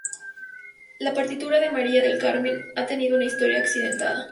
La partitura de "María del Carmen" ha tenido una historia accidentada.